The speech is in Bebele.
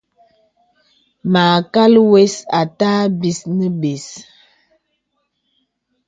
Mâkal wə̀s àtâ bis nə bə̀s.